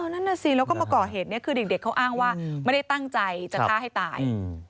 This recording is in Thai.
แล้วก็ทำก่อเหตุคือเด็กเขาอ้างว่าไม่ได้ตั้งใจจะฆ่าให้ตาย